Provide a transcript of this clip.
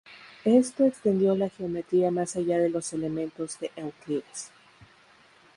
Esto extendió la geometría más allá de los "Elementos" de Euclides.